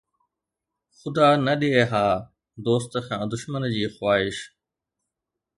خدا نه ڏئي ها! دوست کان دشمن جي خواهش